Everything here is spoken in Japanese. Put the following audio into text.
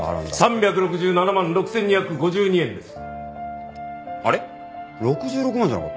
３６７万６２５２円です。